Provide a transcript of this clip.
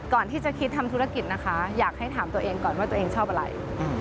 ก่อนที่จะคิดทำธุรกิจนะคะอยากให้ถามตัวเองก่อนว่าตัวเองชอบอะไร